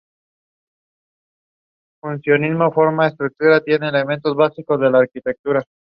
Además, compuso música no litúrgica, en español.